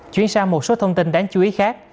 chuyển sang một số thông tin đáng chú ý khác